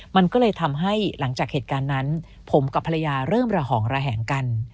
มันก็เลยทำให้หลังจากเหตุการณ์นั้นผมกับภรรยาเริ่มระหองระแหงกัน